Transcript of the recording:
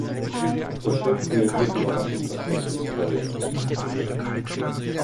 Der Chef reagiert überraschend verständnisvoll.